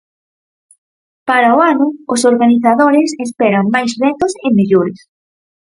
Para o ano os organizadores esperan máis retos e mellores.